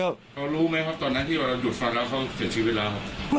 แล้วเรารู้ไหมครับตอนนั้นที่เราหยุดฟันแล้วเขาเสียชีวิตแล้วครับ